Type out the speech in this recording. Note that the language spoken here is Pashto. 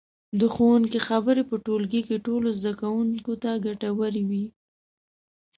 د ښوونکي خبرې په ټولګي کې ټولو زده کوونکو ته ګټورې وي.